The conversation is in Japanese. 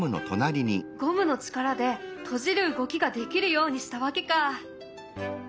ゴムの力で閉じる動きができるようにしたわけか。